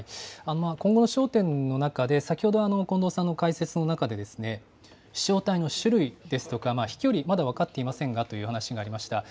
今後の焦点の中で先ほど近藤さんの解説の中で、飛しょう体の種類ですとか、飛距離、まだ分かっていませんがという話がありました。